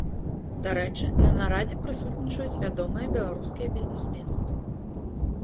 Дарэчы, на нарадзе прысутнічаюць вядомыя беларускія бізнесмены.